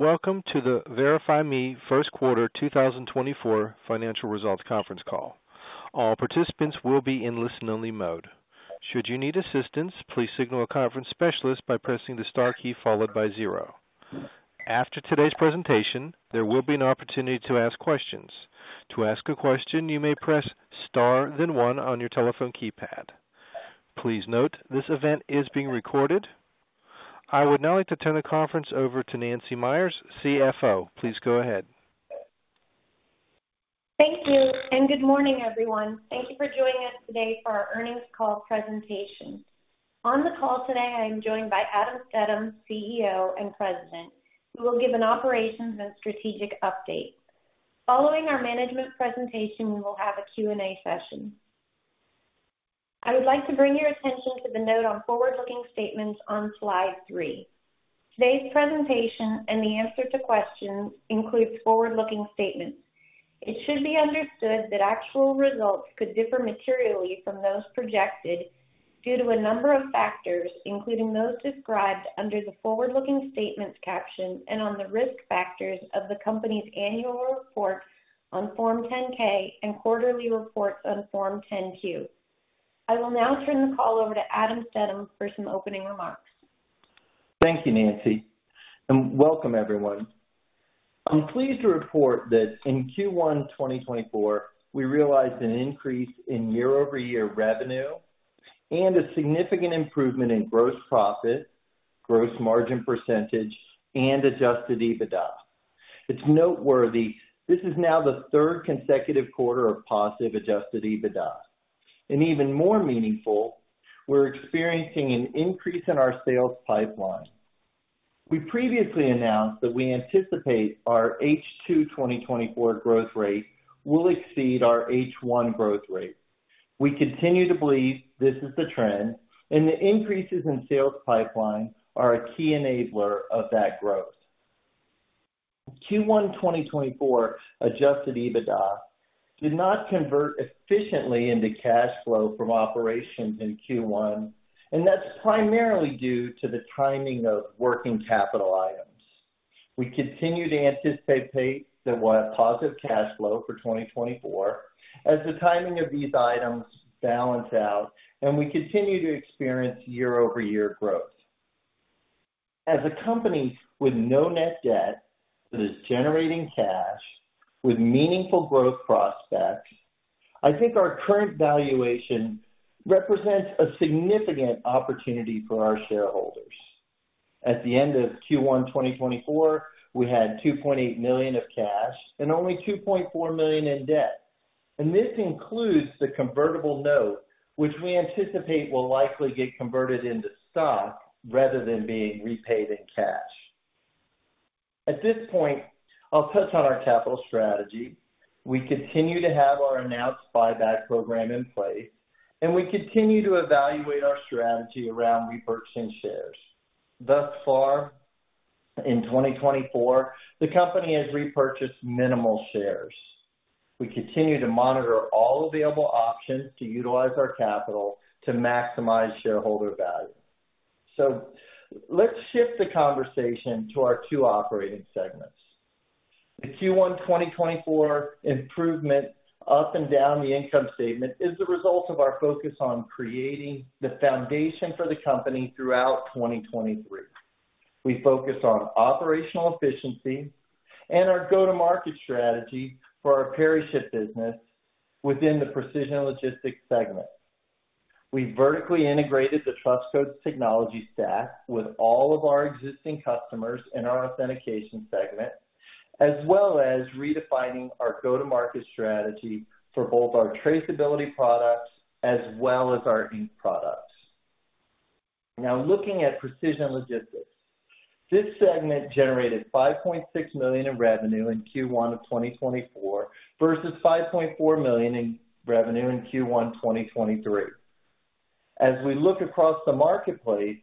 Welcome to the VerifyMe first quarter 2024 financial results conference call. All participants will be in listen-only mode. Should you need assistance, please signal a conference specialist by pressing the star key followed by zero. After today's presentation, there will be an opportunity to ask questions. To ask a question, you may press star then one on your telephone keypad. Please note, this event is being recorded. I would now like to turn the conference over to Nancy Meyers, CFO. Please go ahead. Thank you, and good morning, everyone. Thank you for joining us today for our earnings call presentation. On the call today, I am joined by Adam Stedham, CEO and President, who will give an operations and strategic update. Following our management presentation, we will have a Q&A session. I would like to bring your attention to the note on forward-looking statements on slide 3. Today's presentation and the answer to questions includes forward-looking statements. It should be understood that actual results could differ materially from those projected due to a number of factors, including those described under the forward-looking statements caption and on the risk factors of the company's annual report on Form 10-K and quarterly reports on Form 10-Q. I will now turn the call over to Adam Stedham for some opening remarks. Thank you, Nancy, and welcome, everyone. I'm pleased to report that in Q1 2024, we realized an increase in year-over-year revenue and a significant improvement in gross profit, gross margin percentage, and adjusted EBITDA. It's noteworthy this is now the third consecutive quarter of positive adjusted EBITDA. Even more meaningful, we're experiencing an increase in our sales pipeline. We previously announced that we anticipate our H2 2024 growth rate will exceed our H1 growth rate. We continue to believe this is the trend, and the increases in sales pipeline are a key enabler of that growth. Q1 2024 adjusted EBITDA did not convert efficiently into cash flow from operations in Q1, and that's primarily due to the timing of working capital items. We continue to anticipate that we'll have positive cash flow for 2024 as the timing of these items balances out, and we continue to experience year-over-year growth. As a company with no net debt that is generating cash with meaningful growth prospects, I think our current valuation represents a significant opportunity for our shareholders. At the end of Q1 2024, we had $2.8 million of cash and only $2.4 million in debt, and this includes the convertible note, which we anticipate will likely get converted into stock rather than being repaid in cash. At this point, I'll touch on our capital strategy. We continue to have our announced buyback program in place, and we continue to evaluate our strategy around repurchasing shares. Thus far, in 2024, the company has repurchased minimal shares. We continue to monitor all available options to utilize our capital to maximize shareholder value. So let's shift the conversation to our two operating segments. The Q1 2024 improvement up and down the income statement is the result of our focus on creating the foundation for the company throughout 2023. We focus on operational efficiency and our go-to-market strategy for our PeriShip business within the precision logistics segment. We vertically integrated the Trust Codes technology stack with all of our existing customers in our authentication segment, as well as redefining our go-to-market strategy for both our traceability products as well as our ink products. Now, looking at precision logistics, this segment generated $5.6 million in revenue in Q1 of 2024 versus $5.4 million in revenue in Q1 2023. As we look across the marketplace,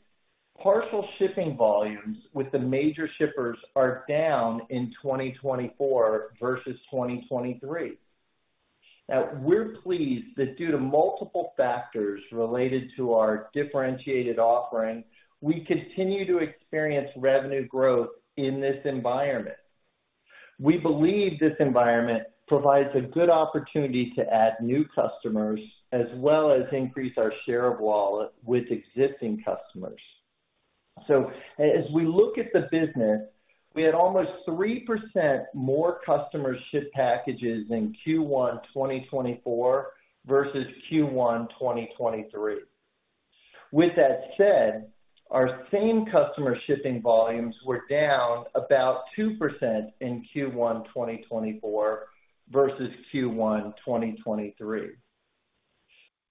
parcel shipping volumes with the major shippers are down in 2024 versus 2023. Now, we're pleased that due to multiple factors related to our differentiated offering, we continue to experience revenue growth in this environment. We believe this environment provides a good opportunity to add new customers as well as increase our share of wallet with existing customers. So as we look at the business, we had almost 3% more customer ship packages in Q1 2024 versus Q1 2023. With that said, our same customer shipping volumes were down about 2% in Q1 2024 versus Q1 2023.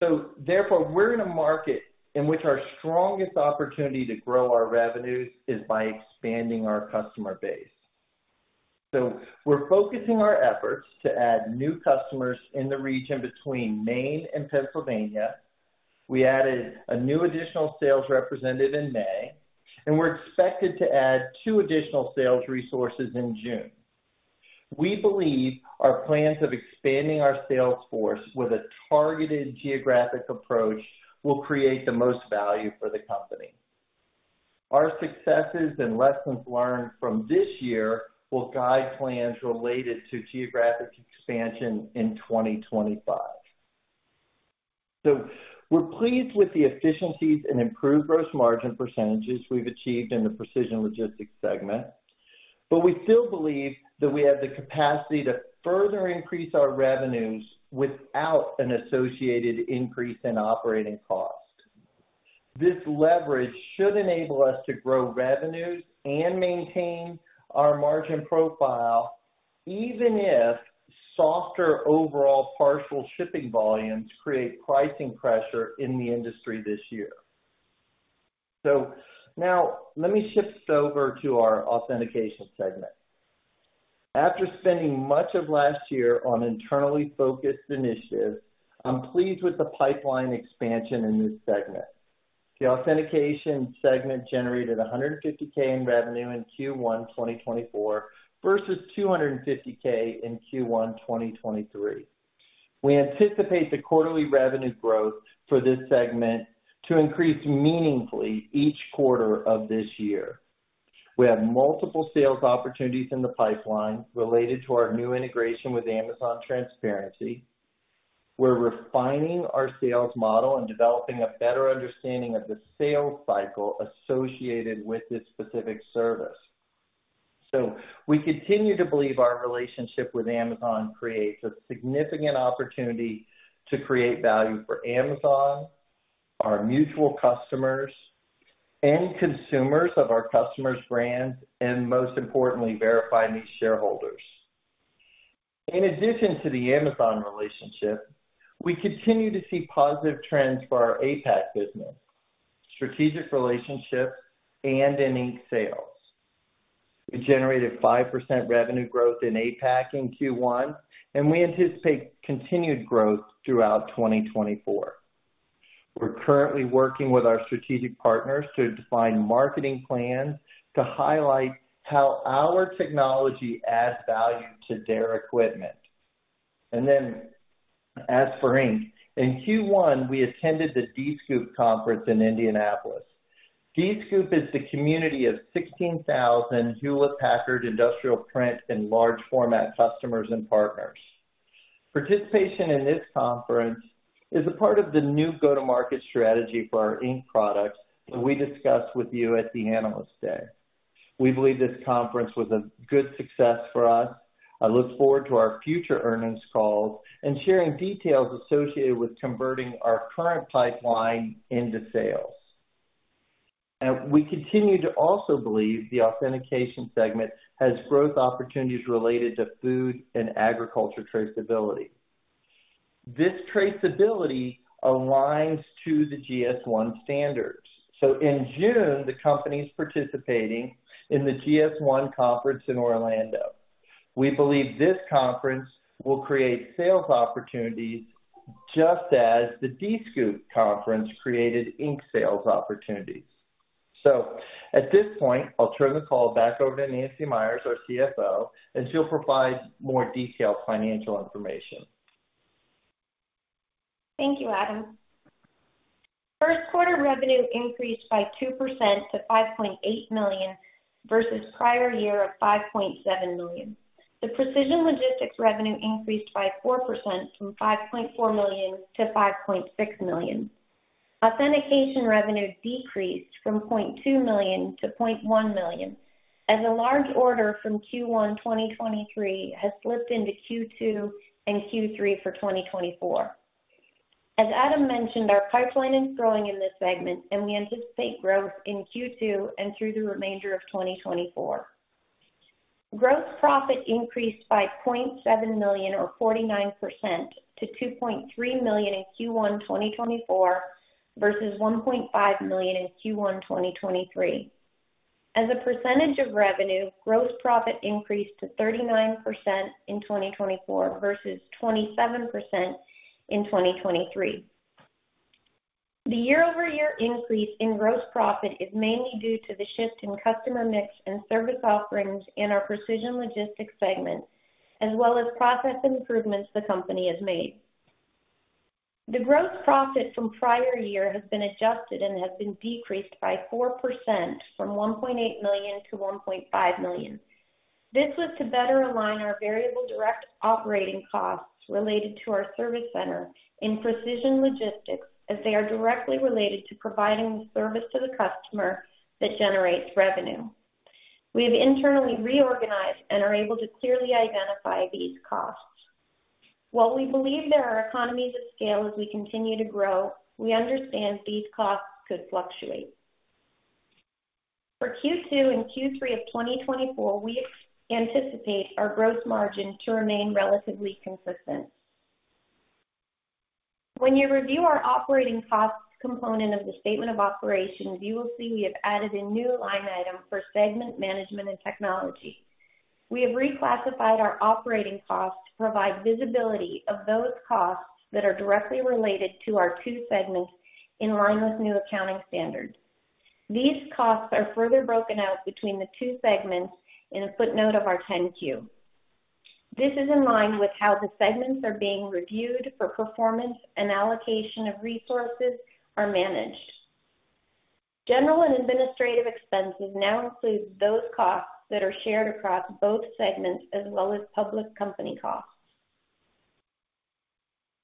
So therefore, we're in a market in which our strongest opportunity to grow our revenues is by expanding our customer base. So we're focusing our efforts to add new customers in the region between Maine and Pennsylvania. We added a new additional sales representative in May, and we're expected to add two additional sales resources in June. We believe our plans of expanding our sales force with a targeted geographic approach will create the most value for the company. Our successes and lessons learned from this year will guide plans related to geographic expansion in 2025. So we're pleased with the efficiencies and improved gross margin percentages we've achieved in the precision logistics segment, but we still believe that we have the capacity to further increase our revenues without an associated increase in operating costs. This leverage should enable us to grow revenues and maintain our margin profile even if softer overall parcel shipping volumes create pricing pressure in the industry this year. So now let me shift over to our authentication segment. After spending much of last year on internally focused initiatives, I'm pleased with the pipeline expansion in this segment. The authentication segment generated $150,000 in revenue in Q1 2024 versus $250,000 in Q1 2023. We anticipate the quarterly revenue growth for this segment to increase meaningfully each quarter of this year. We have multiple sales opportunities in the pipeline related to our new integration with Amazon Transparency. We're refining our sales model and developing a better understanding of the sales cycle associated with this specific service. So we continue to believe our relationship with Amazon creates a significant opportunity to create value for Amazon, our mutual customers, and consumers of our customers' brands, and most importantly, VerifyMe shareholders. In addition to the Amazon relationship, we continue to see positive trends for our APAC business, strategic relationships, and in ink sales. We generated 5% revenue growth in APAC in Q1, and we anticipate continued growth throughout 2024. We're currently working with our strategic partners to define marketing plans to highlight how our technology adds value to their equipment. And then as for ink, in Q1, we attended the Dscoop conference in Indianapolis. Dscoop is the community of 16,000 Hewlett Packard industrial print and large format customers and partners. Participation in this conference is a part of the new go-to-market strategy for our ink products that we discussed with you at the analysts' day. We believe this conference was a good success for us. I look forward to our future earnings calls and sharing details associated with converting our current pipeline into sales. We continue to also believe the authentication segment has growth opportunities related to food and agriculture traceability. This traceability aligns to the GS1 standards. In June, the company is participating in the GS1 conference in Orlando. We believe this conference will create sales opportunities just as the Dscoop conference created ink sales opportunities. At this point, I'll turn the call back over to Nancy Meyers, our CFO, and she'll provide more detailed financial information. Thank you, Adam. First quarter revenue increased by 2% to $5.8 million versus prior year of $5.7 million. The precision logistics revenue increased by 4% from $5.4 million to $5.6 million. Authentication revenue decreased from $0.2 million to $0.1 million as a large order from Q1 2023 has slipped into Q2 and Q3 for 2024. As Adam mentioned, our pipeline is growing in this segment, and we anticipate growth in Q2 and through the remainder of 2024. Gross profit increased by $0.7 million or 49% to $2.3 million in Q1 2024 versus $1.5 million in Q1 2023. As a percentage of revenue, gross profit increased to 39% in 2024 versus 27% in 2023. The year-over-year increase in gross profit is mainly due to the shift in customer mix and service offerings in our precision logistics segment, as well as process improvements the company has made. The gross profit from prior year has been adjusted and has been decreased by 4% from $1.8 million to $1.5 million. This was to better align our variable direct operating costs related to our service center in precision logistics as they are directly related to providing the service to the customer that generates revenue. We have internally reorganized and are able to clearly identify these costs. While we believe there are economies of scale as we continue to grow, we understand these costs could fluctuate. For Q2 and Q3 of 2024, we anticipate our gross margin to remain relatively consistent. When you review our operating costs component of the statement of operations, you will see we have added a new line item for segment management and technology. We have reclassified our operating costs to provide visibility of those costs that are directly related to our two segments in line with new accounting standards. These costs are further broken out between the two segments in a footnote of our 10-Q. This is in line with how the segments are being reviewed for performance and allocation of resources are managed. General and administrative expenses now include those costs that are shared across both segments as well as public company costs.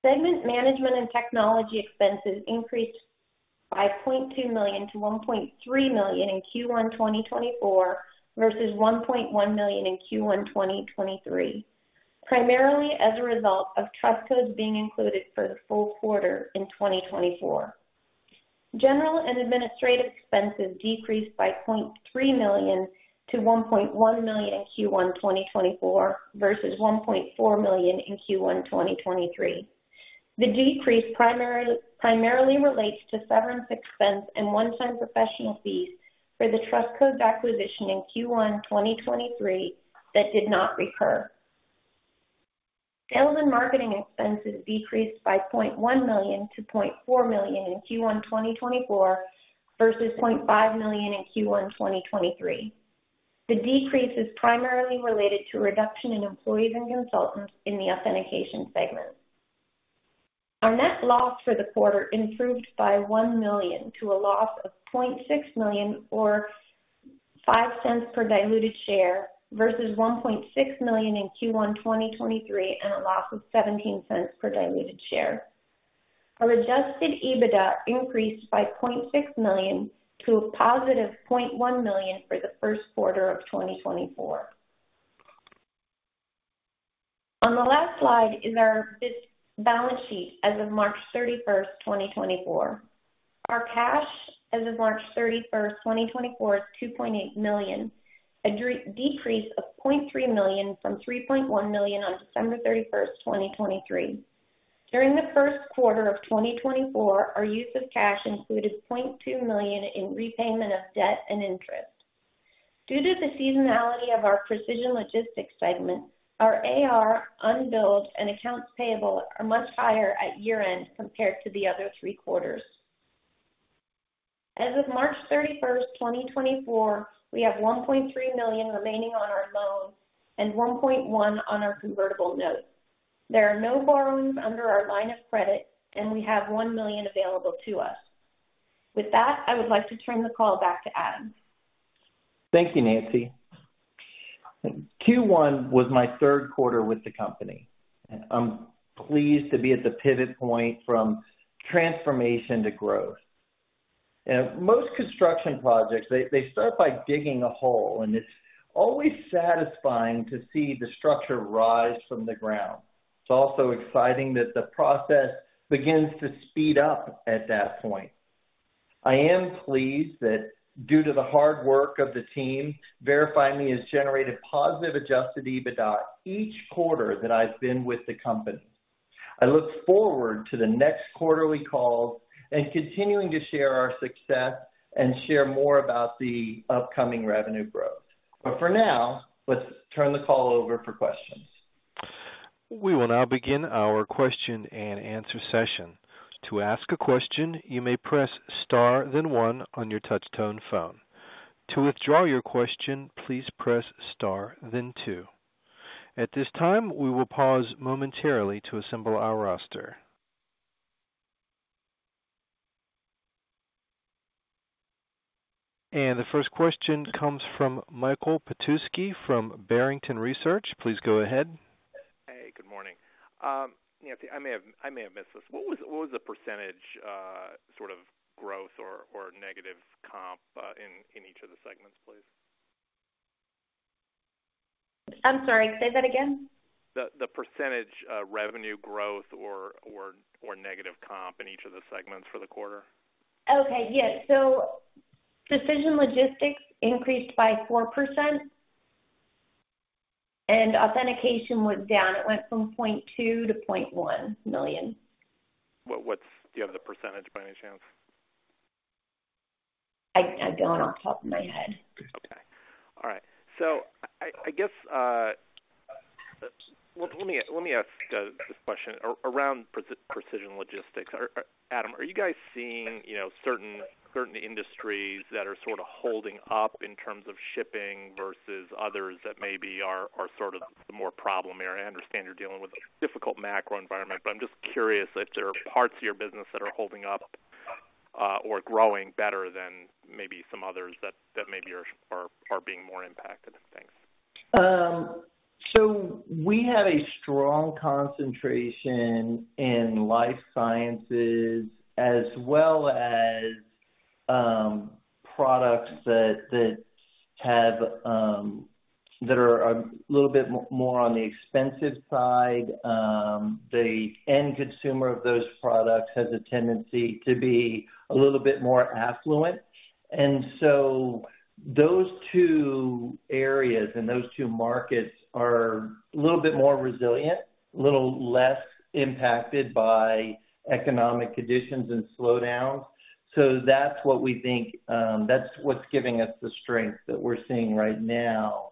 Segment Management and Technology expenses increased by $0.2 million to $1.3 million in Q1 2024 versus $1.1 million in Q1 2023, primarily as a result of Trust Codes being included for the full quarter in 2024. General and administrative expenses decreased by $0.3 million to $1.1 million in Q1 2024 versus $1.4 million in Q1 2023. The decrease primarily relates to severance expense and one-time professional fees for the Trust Codes acquisition in Q1 2023 that did not recur. Sales and marketing expenses decreased by $0.1 million to $0.4 million in Q1 2024 versus $0.5 million in Q1 2023. The decrease is primarily related to reduction in employees and consultants in the authentication segment. Our net loss for the quarter improved by $1 million to a loss of $0.6 million or $0.05 per diluted share versus $1.6 million in Q1 2023 and a loss of $0.17 per diluted share. Our adjusted EBITDA increased by $0.6 million to a positive $0.1 million for the first quarter of 2024. On the last slide is our balance sheet as of March 31st, 2024. Our cash as of March 31st, 2024, is $2.8 million, a decrease of $0.3 million from $3.1 million on December 31st, 2023. During the first quarter of 2024, our use of cash included $0.2 million in repayment of debt and interest. Due to the seasonality of our Precision Logistics segment, our AR, unbilled, and accounts payable are much higher at year-end compared to the other three quarters. As of March 31st, 2024, we have $1.3 million remaining on our loan and $1.1 million on our Convertible Note. There are no borrowings under our line of credit, and we have $1 million available to us. With that, I would like to turn the call back to Adam. Thank you, Nancy. Q1 was my third quarter with the company. I'm pleased to be at the pivot point from transformation to growth. Most construction projects, they start by digging a hole, and it's always satisfying to see the structure rise from the ground. It's also exciting that the process begins to speed up at that point. I am pleased that due to the hard work of the team, VerifyMe has generated positive Adjusted EBITDA each quarter that I've been with the company. I look forward to the next quarterly calls and continuing to share our success and share more about the upcoming revenue growth. For now, let's turn the call over for questions. We will now begin our question and answer session. To ask a question, you may press star, then one on your touch-tone phone. To withdraw your question, please press star, then two. At this time, we will pause momentarily to assemble our roster. The first question comes from Michael Petusky from Barrington Research. Please go ahead. Hey, good morning. Nancy, I may have missed this. What was the percentage sort of growth or negative comp in each of the segments, please? I'm sorry. Say that again. The percentage revenue growth or negative comp in each of the segments for the quarter? Okay. Yes. So Precision Logistics increased by 4%, and Authentication was down. It went from $0.2 million to $0.1 million. Do you have the percentage by any chance? I don't, off the top of my head. Okay. All right. So I guess let me ask this question around precision logistics. Adam, are you guys seeing certain industries that are sort of holding up in terms of shipping versus others that maybe are sort of the more problem area? I understand you're dealing with a difficult macro environment, but I'm just curious if there are parts of your business that are holding up or growing better than maybe some others that maybe are being more impacted. Thanks. So we have a strong concentration in life sciences as well as products that are a little bit more on the expensive side. The end consumer of those products has a tendency to be a little bit more affluent. And so those two areas and those two markets are a little bit more resilient, a little less impacted by economic conditions and slowdowns. So that's what we think is what's giving us the strength that we're seeing right now.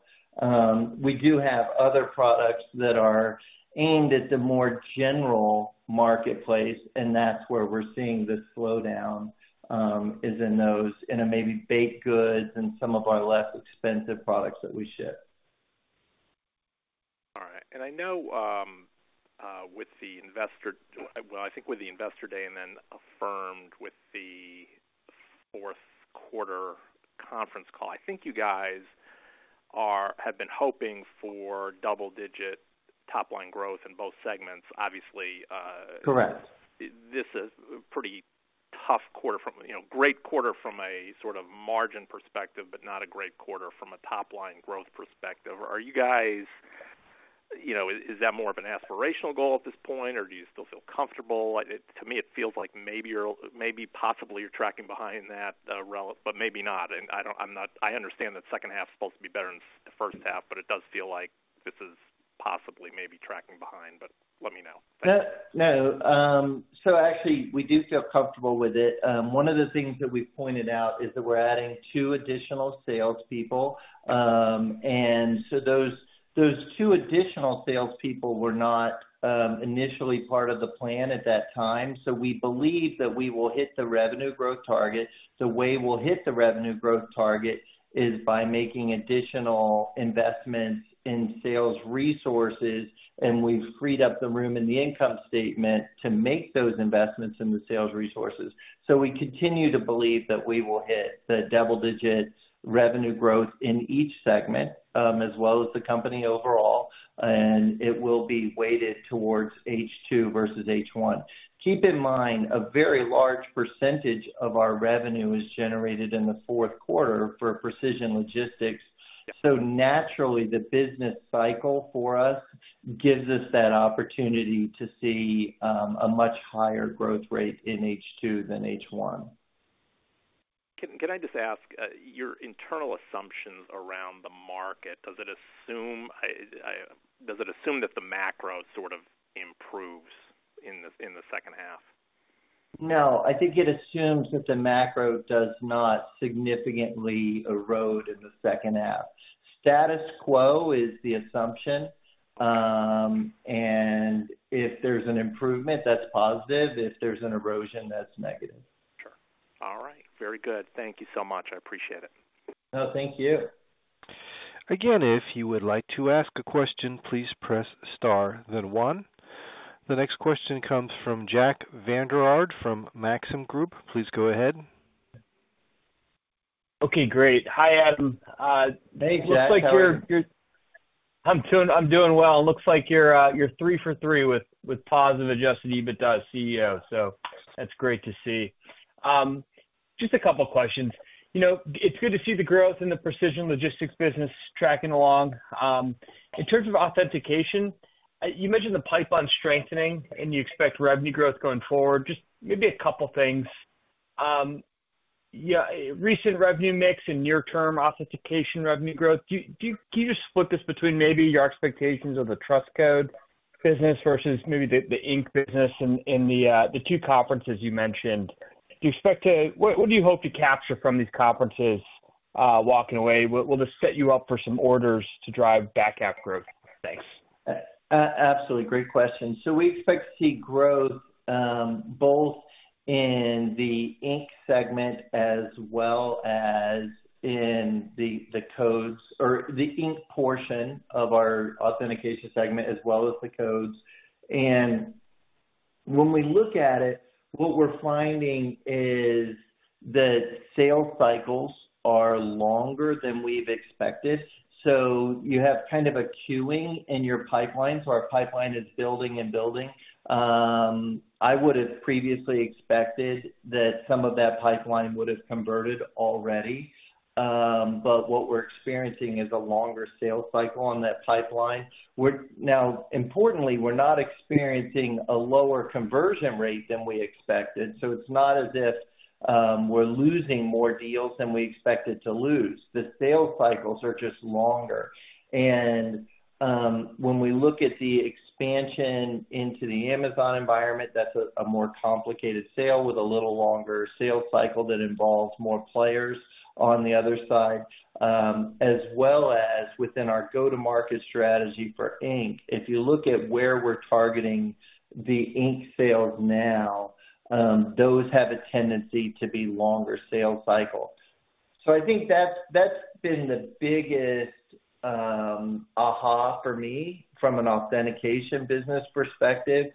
We do have other products that are aimed at the more general marketplace, and that's where we're seeing the slowdown is in those and maybe baked goods and some of our less expensive products that we ship. All right. I know with the investor, well, I think with the investor day and then affirmed with the fourth quarter conference call, I think you guys have been hoping for double-digit top-line growth in both segments. Obviously. Correct. This is a pretty tough quarter from a margin perspective, but not a great quarter from a top-line growth perspective. Is that more of an aspirational goal at this point, or do you still feel comfortable? To me, it feels like maybe possibly you're tracking behind that, but maybe not. I understand that second half is supposed to be better than the first half, but it does feel like this is possibly maybe tracking behind. Let me know. Thanks. No. So actually, we do feel comfortable with it. One of the things that we've pointed out is that we're adding two additional salespeople. And so those two additional salespeople were not initially part of the plan at that time. So we believe that we will hit the revenue growth target. The way we'll hit the revenue growth target is by making additional investments in sales resources, and we've freed up the room in the income statement to make those investments in the sales resources. So we continue to believe that we will hit the double-digit revenue growth in each segment as well as the company overall, and it will be weighted towards H2 versus H1. Keep in mind, a very large percentage of our revenue is generated in the fourth quarter for Precision Logistics. Naturally, the business cycle for us gives us that opportunity to see a much higher growth rate in H2 than H1. Can I just ask your internal assumptions around the market? Does it assume that the macro sort of improves in the second half? No. I think it assumes that the macro does not significantly erode in the second half. Status quo is the assumption. If there's an improvement, that's positive. If there's an erosion, that's negative. Sure. All right. Very good. Thank you so much. I appreciate it. No, thank you. Again, if you would like to ask a question, please press star, then one. The next question comes from Jack Vander Aarde from Maxim Group. Please go ahead. Okay. Great. Hi, Adam. Hey, Jack. Hey, Jack. Looks like you're doing well. It looks like you're three for three with positive adjusted EBITDA, CEO. So that's great to see. Just a couple of questions. It's good to see the growth in the precision logistics business tracking along. In terms of authentication, you mentioned the pipeline strengthening and you expect revenue growth going forward. Just maybe a couple of things. Recent revenue mix and near-term authentication revenue growth. Can you just split this between maybe your expectations of the Trust Codes business versus maybe the ink business in the two conferences you mentioned? Do you expect to what do you hope to capture from these conferences walking away? Will this set you up for some orders to drive backup growth? Thanks. Absolutely. Great question. So we expect to see growth both in the ink segment as well as in the codes or the ink portion of our authentication segment as well as the codes. And when we look at it, what we're finding is that sales cycles are longer than we've expected. So you have kind of a queuing in your pipeline, so our pipeline is building and building. I would have previously expected that some of that pipeline would have converted already. But what we're experiencing is a longer sales cycle on that pipeline. Now, importantly, we're not experiencing a lower conversion rate than we expected. So it's not as if we're losing more deals than we expected to lose. The sales cycles are just longer. When we look at the expansion into the Amazon environment, that's a more complicated sale with a little longer sales cycle that involves more players on the other side, as well as within our go-to-market strategy for ink. If you look at where we're targeting the ink sales now, those have a tendency to be longer sales cycles. So I think that's been the biggest aha for me from an authentication business perspective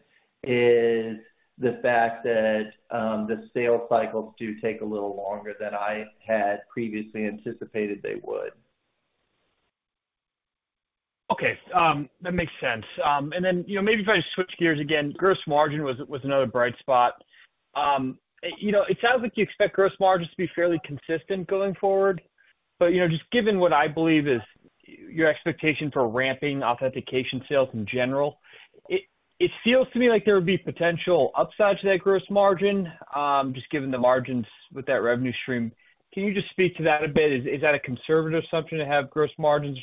is the fact that the sales cycles do take a little longer than I had previously anticipated they would. Okay. That makes sense. And then maybe if I just switch gears again, Gross Margin was another bright spot. It sounds like you expect Gross Margins to be fairly consistent going forward. But just given what I believe is your expectation for ramping Authentication sales in general, it feels to me like there would be potential upside to that Gross Margin just given the margins with that revenue stream. Can you just speak to that a bit? Is that a conservative assumption to have Gross Margins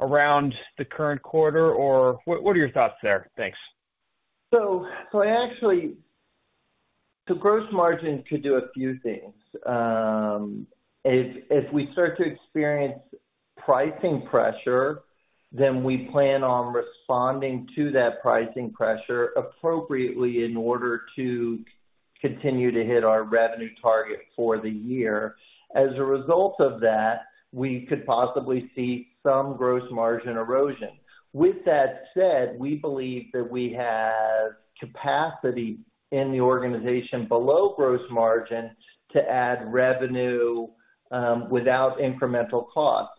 around the current quarter, or what are your thoughts there? Thanks. So gross margin could do a few things. If we start to experience pricing pressure, then we plan on responding to that pricing pressure appropriately in order to continue to hit our revenue target for the year. As a result of that, we could possibly see some gross margin erosion. With that said, we believe that we have capacity in the organization below gross margin to add revenue without incremental cost.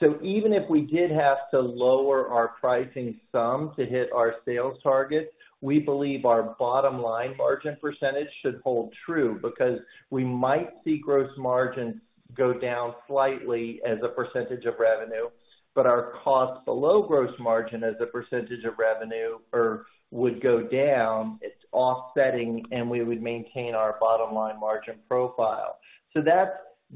So even if we did have to lower our pricing sum to hit our sales target, we believe our bottom-line margin percentage should hold true because we might see gross margin go down slightly as a percentage of revenue. But our cost below gross margin as a percentage of revenue would go down. It's offsetting, and we would maintain our bottom-line margin profile. So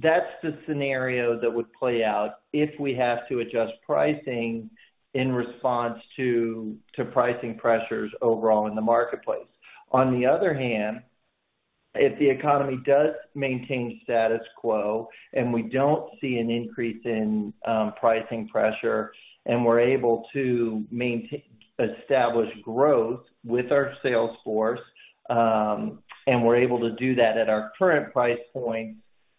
that's the scenario that would play out if we have to adjust pricing in response to pricing pressures overall in the marketplace. On the other hand, if the economy does maintain status quo and we don't see an increase in pricing pressure and we're able to establish growth with our sales force and we're able to do that at our current price point,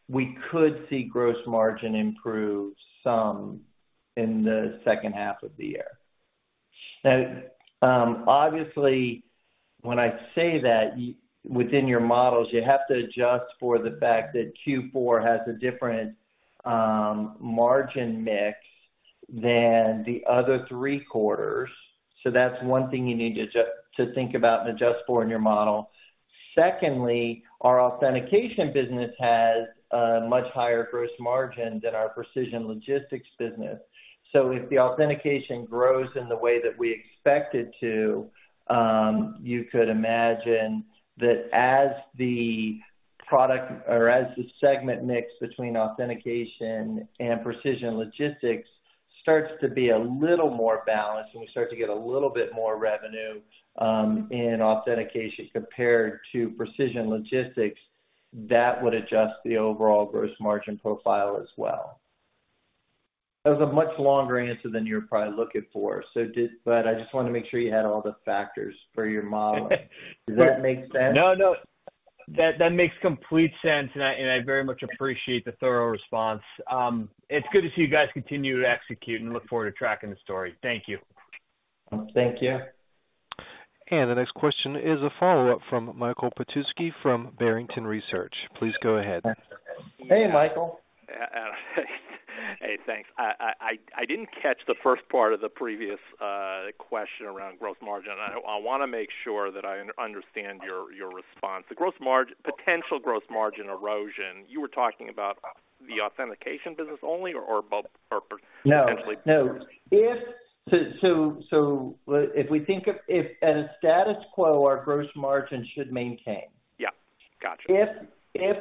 we could see gross margin improve some in the second half of the year. Now, obviously, when I say that, within your models, you have to adjust for the fact that Q4 has a different margin mix than the other three quarters. So that's one thing you need to think about and adjust for in your model. Secondly, our authentication business has a much higher gross margin than our precision logistics business. So if the Authentication grows in the way that we expected to, you could imagine that as the product or as the segment mix between Authentication and Precision Logistics starts to be a little more balanced and we start to get a little bit more revenue in Authentication compared to Precision Logistics, that would adjust the overall Gross Margin profile as well. That was a much longer answer than you were probably looking for, but I just wanted to make sure you had all the factors for your modeling. Does that make sense? No, no. That makes complete sense, and I very much appreciate the thorough response. It's good to see you guys continue to execute and look forward to tracking the story. Thank you. Thank you. The next question is a follow-up from Michael Petusky from Barrington Research. Please go ahead. Hey, Michael. Hey, thanks. I didn't catch the first part of the previous question around gross margin. I want to make sure that I understand your response. Potential gross margin erosion, you were talking about the authentication business only or potentially? No. So if we think of at a status quo, our Gross Margin should maintain. Yeah. Gotcha. If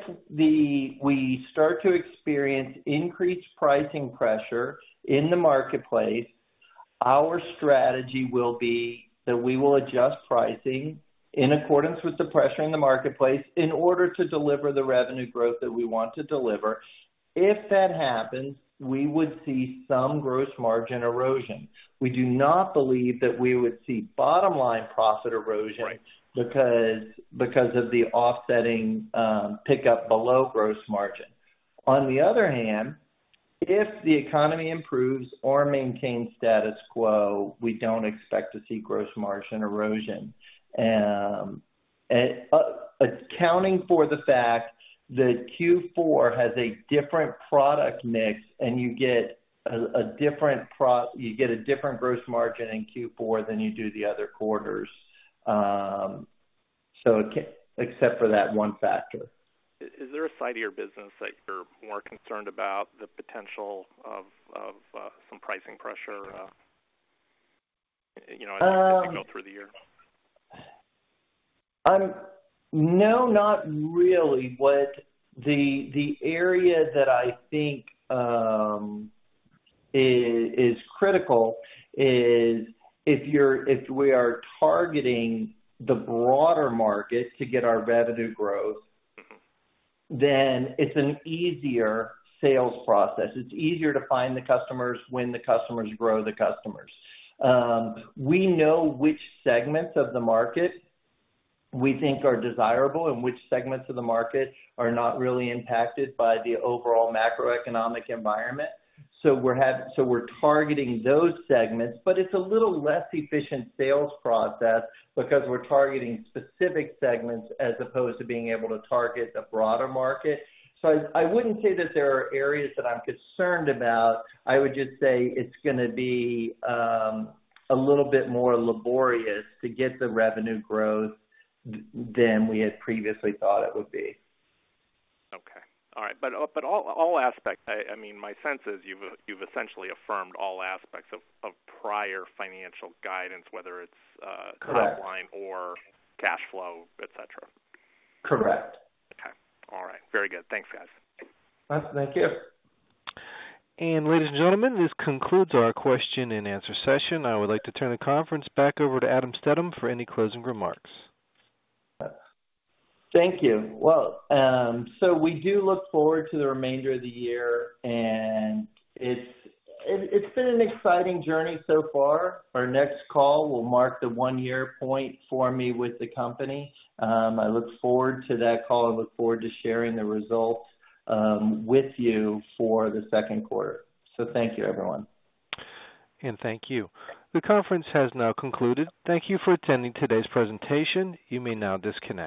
we start to experience increased pricing pressure in the marketplace, our strategy will be that we will adjust pricing in accordance with the pressure in the marketplace in order to deliver the revenue growth that we want to deliver. If that happens, we would see some gross margin erosion. We do not believe that we would see bottom-line profit erosion because of the offsetting pickup below gross margin. On the other hand, if the economy improves or maintains status quo, we don't expect to see gross margin erosion. Accounting for the fact that Q4 has a different product mix and you get a different gross margin in Q4 than you do the other quarters, except for that one factor. Is there a side of your business that you're more concerned about, the potential of some pricing pressure as you go through the year? No, not really. The area that I think is critical is if we are targeting the broader market to get our revenue growth, then it's an easier sales process. It's easier to find the customers when the customers grow the customers. We know which segments of the market we think are desirable and which segments of the market are not really impacted by the overall macroeconomic environment. So we're targeting those segments, but it's a little less efficient sales process because we're targeting specific segments as opposed to being able to target the broader market. So I wouldn't say that there are areas that I'm concerned about. I would just say it's going to be a little bit more laborious to get the revenue growth than we had previously thought it would be. Okay. All right. But all aspects, I mean, my sense is you've essentially affirmed all aspects of prior financial guidance, whether it's top line or cash flow, etc. Correct. Okay. All right. Very good. Thanks, guys. Thank you. Ladies and gentlemen, this concludes our question and answer session. I would like to turn the conference back over to Adam Stedham for any closing remarks. Thank you. Well, so we do look forward to the remainder of the year, and it's been an exciting journey so far. Our next call will mark the one-year point for me with the company. I look forward to that call. I look forward to sharing the results with you for the second quarter. So thank you, everyone. Thank you. The conference has now concluded. Thank you for attending today's presentation. You may now disconnect.